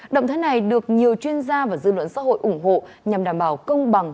động thái này được nhiều chuyên gia và dư luận xã hội ủng hộ nhằm đảm bảo công bằng